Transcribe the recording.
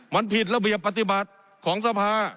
มันผิดระเบียบปฏิบัติของสภา